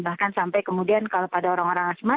bahkan sampai kemudian kalau pada orang orang asma